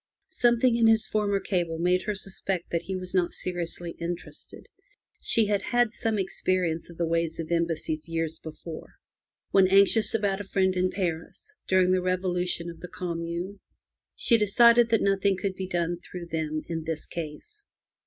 Something in his former cable made her suspect that he was not seriously interested. She had had some experi ence of the ways of Embassies years before, when anxious about a friend in Paris during the Revolution of the Commune. She 275 M Y BOOK HOUSE decided that nothing could be done through them in this case.